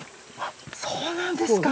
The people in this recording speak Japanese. そうなんですか。